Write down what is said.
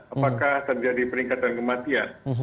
apakah terjadi peningkatan kematian